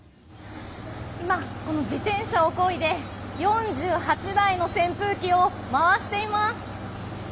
今、この自転車をこいで４８台の扇風機を回しています。